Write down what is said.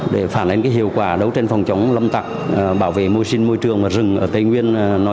để phản ánh hiệu quả đấu tranh phòng chống lâm tặc bảo vệ môi sinh môi trường và rừng ở tây nguyên